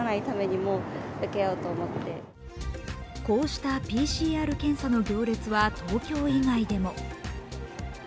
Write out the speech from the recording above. こうしたＰＣＲ検査の行列は東京以外でも。